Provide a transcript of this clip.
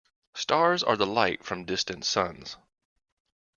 Stars are the light from distant suns.